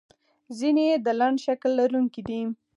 ځینې یې د لنډ شکل لرونکي دي.